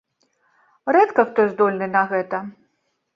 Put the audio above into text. Рэдка хто здольны на гэта.